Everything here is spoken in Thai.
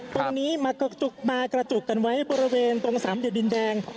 ตรงนี้มากระจุกกันไว้บริเวณตรง๓เดียวดินแดง